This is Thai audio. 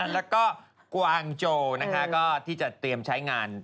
แล้วก็กวางโจก็ที่จะเตรียมใช้งาน